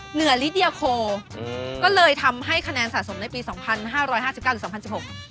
เหนือฤริาโคเพราะนั่นทำให้คะแนนสะสมในปี๒๕๕๙หรือ๒๐๑๖